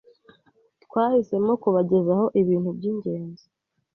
twahisemo kubagezaho ibintu by’ingenzi